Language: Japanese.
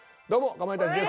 かまいたちです。